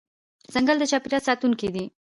ځنګل د چاپېریال ساتونکی دی.